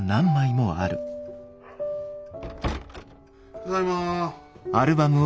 ・ただいま。